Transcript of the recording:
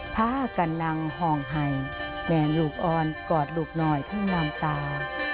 พากันนังห้องไห่แม่ลูกอ่อนกอดลูกหน่อยทั้งน้ำตา